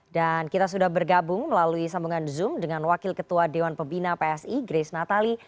dan kita sudah bergabung melalui sambungan zoom dengan wakil ketua dewan pembina psi grace natali